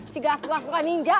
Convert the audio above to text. si gak aku aku kan ninja